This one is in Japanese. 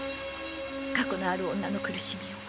過去のある女の苦しみを。